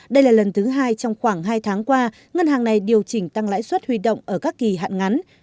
đây là lần thứ hai trong khoảng hai tháng qua ngân hàng này điều chỉnh tăng lãi suất huy động ở các kỳ hạn ngắn